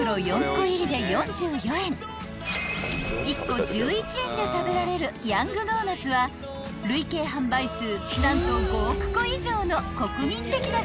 ［１個１１円で食べられるヤングドーナツは累計販売数何と５億個以上の国民的駄菓子です］